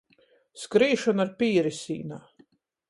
Skrīšona ar pīri sīnā.